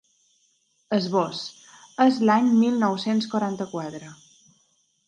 Esbós: És l’any mil nou-cents quaranta-quatre.